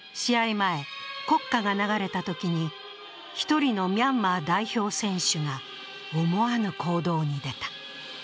前、国歌が流れたときに１人のミャンマー代表選手が思わぬ行動に出た。